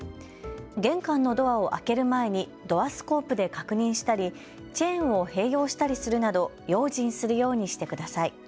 玄関のドアを開ける前にドアスコープで確認したりチェーンを併用したりするなど用心するようにしてください。